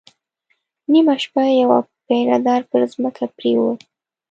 نيمه شپه يو پيره دار پر ځمکه پرېووت.